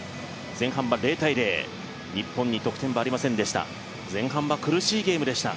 前半は０−０、日本に得点はありませんでした。